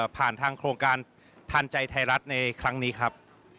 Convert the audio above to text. ผ่านทางโครงการทานใจไทยรัฐในครั้งนี้ครับ